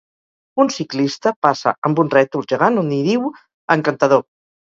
Un ciclista passa amb un rètol gegant on hi diu "encantador".